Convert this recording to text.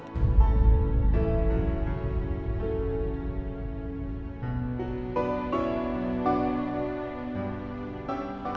ini demi kebaikan lo put